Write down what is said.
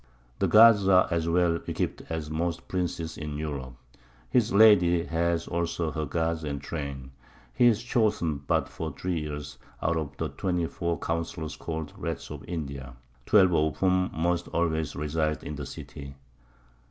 The Guards are as well equipp'd as most Princes in Europe: His Lady has also her Guards and Train. He is chosen but for 3 Years, out of the 24 Counsellors call'd Rads of India, 12 of whom must always reside in the City.